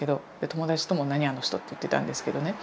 友達とも「何あの人」って言ってたんですけどね。